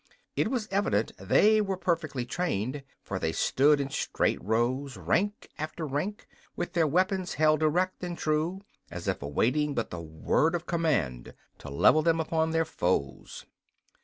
It was evident they were perfectly trained, for they stood in straight rows, rank after rank, with their weapons held erect and true, as if awaiting but the word of command to level them upon their foes.